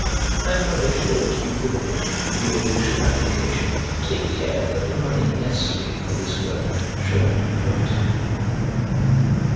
I am well assured you will, with your usual application, take care that the money necessary for this work shall not be wanting.